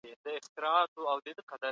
د نبي کریم پرېکړې پر حق ولاړې وې.